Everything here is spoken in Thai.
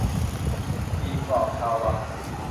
หมี่กรอบชาววัง